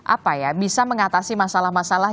apa ya bisa mengatasi masalah masalah